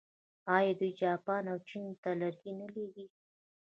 آیا دوی جاپان او چین ته لرګي نه لیږي؟